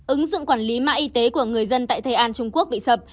ứng dụng quản lý mã y tế của người dân tại tây an trung quốc bị sập